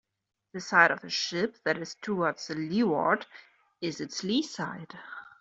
The side of a ship that is towards the leeward is its lee side.